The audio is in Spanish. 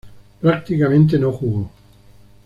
Prácticamente, no jugó.